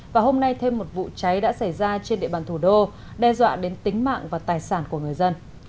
và hôm nay thêm một vụ cháy đã xảy ra trên địa bàn thủ đô đe dọa đến tính mạng và tài sản của người dân